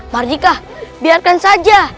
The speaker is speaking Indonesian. mardika biarkan saja